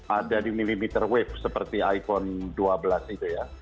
ada di milimeter wave seperti iphone dua belas itu ya